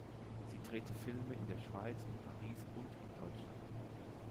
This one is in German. Sie drehte Filme in der Schweiz, in Paris und in Deutschland.